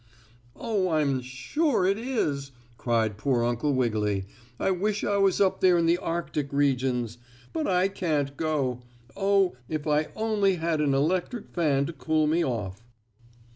"Oh, I'm sure it is," cried poor Uncle Wiggily. "I wish I was up there in the Arctic regions. But I can't go. Oh, if I only had an electric fan to cool me off!"